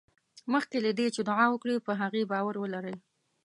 مخکې له دې چې دعا وکړې په هغې باور ولرئ.